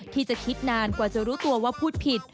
ที่จะคิดนานกว่าจะรู้ตัวว่าพูดผิด